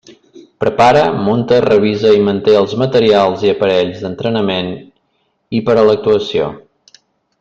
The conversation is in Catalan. Prepara, munta, revisa i manté els materials i aparells d'entrenament i per a l'actuació.